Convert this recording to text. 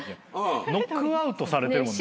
ノックアウトされてるもんね。